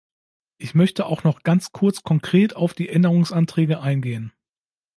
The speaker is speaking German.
Ich möchte auch noch ganz kurz konkret auf die Änderungsanträge eingehen.